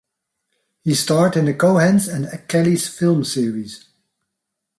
He starred in the The Cohens and Kellys film series.